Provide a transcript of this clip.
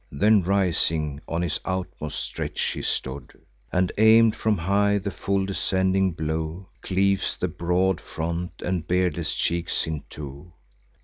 Then rising, on his utmost stretch he stood, And aim'd from high: the full descending blow Cleaves the broad front and beardless cheeks in two.